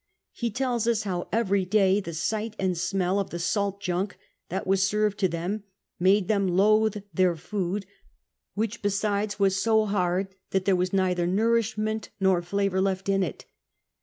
He tells us how, every day, the sight and smell of the salt junk that was served to them made them loathe their food, which, besides, was so hard that there was neither nourishment nor flavour left in it.